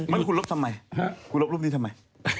ไม่คุณลบทำไมคุณลบรูปนี้ทำไม